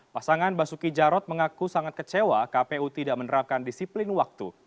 pasangan basuki jarod mengaku sangat kecewa kpu tidak menerapkan disiplin waktu